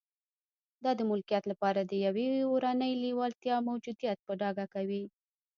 دا د ملکیت لپاره د یوې اورنۍ لېوالتیا موجودیت په ډاګه کوي